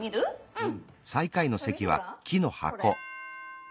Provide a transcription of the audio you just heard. うん。